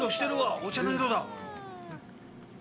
お茶の色だ。